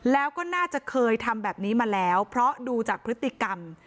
แล้วก็น่าจะเคยทำแบบนี้มาแล้วเพราะดูจากพฤติกรรม